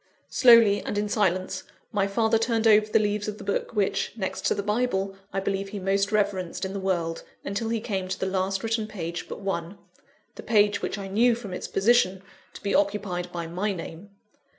Slowly and in silence, my father turned over the leaves of the book which, next to the Bible, I believe he most reverenced in the world, until he came to the last written page but one the page which I knew, from its position, to be occupied by my name.